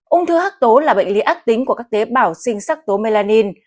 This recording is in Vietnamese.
ung thư hắc tố là bệnh lý ác tính của các tế bào sinh sắc tố melanin